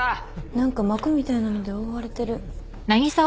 なんか膜みたいなので覆われてるあれ？